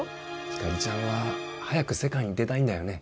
ひかりちゃんは早く世界に出たいんだよね？